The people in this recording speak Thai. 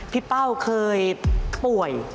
พี่เป้าเคยป่วย